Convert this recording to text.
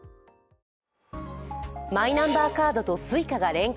マイナンバーカードとＳｕｉｃａが連携。